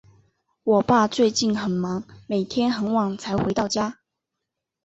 我爸最近很忙，每天很晚才回到家。